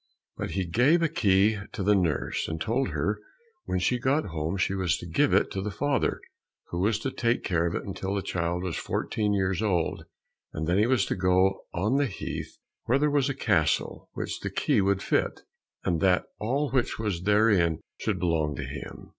But he gave a key to the nurse, and told her when she got home she was to give it to the father, who was to take care of it until the child was fourteen years old, and then he was to go on the heath where there was a castle which the key would fit, and that all which was therein should belong to him.